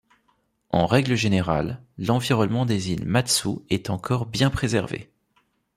En règle générale, l'environnement des îles Matsu est encore bien préservé.